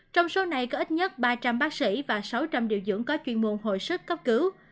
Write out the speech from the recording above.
trong số này có ít nhất ba trăm linh bác sĩ và sáu trăm linh điều dưỡng có chuyên môn hồi sức cấp cứu